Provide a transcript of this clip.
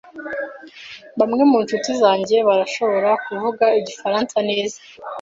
Bamwe mu nshuti zanjye barashobora kuvuga igifaransa neza.